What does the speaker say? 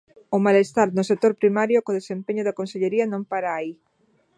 O malestar no sector primario co desempeño da consellería non para aí.